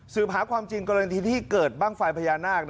หาความจริงกรณีที่เกิดบ้างไฟพญานาค